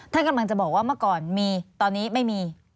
ถ้าอยากจะบอกว่าเมื่อก่อนมีตอนนี้ไม่มี